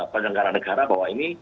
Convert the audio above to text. pendengaran negara bahwa ini